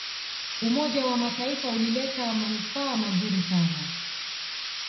umoja wa mataifa ulileta manufaa mazuri sana